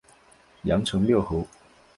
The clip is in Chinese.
阳城缪侯。